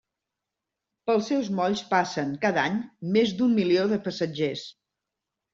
Pels seus molls passen, cada any, més d'un milió de passatgers.